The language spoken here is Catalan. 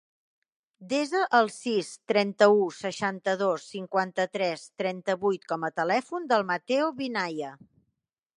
Desa el sis, trenta-u, seixanta-dos, cinquanta-tres, trenta-vuit com a telèfon del Matteo Minaya.